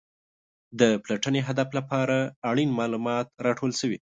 د پلټنې هدف لپاره اړین معلومات راټول شوي.